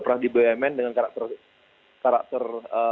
pernah di bumn dengan karakter